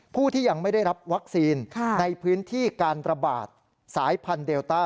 ผู้ที่ยังไม่ได้รับวัคซีนในพื้นที่การระบาดสายพันธุเดลต้า